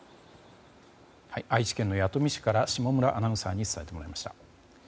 愛知県の弥富市から下村アナウンサーに伝えてもらいました。